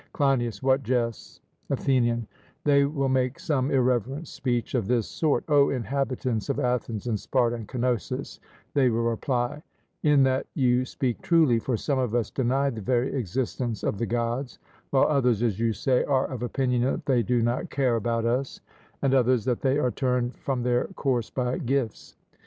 CLEINIAS: What jests? ATHENIAN: They will make some irreverent speech of this sort: 'O inhabitants of Athens, and Sparta, and Cnosus,' they will reply, 'in that you speak truly; for some of us deny the very existence of the Gods, while others, as you say, are of opinion that they do not care about us; and others that they are turned from their course by gifts.